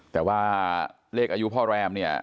แต่ว่าเลขอายุพ่อแรมเนี่ย